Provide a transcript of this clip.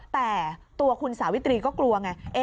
แต่ตัวคุณสาวิตรีก็กลัวไง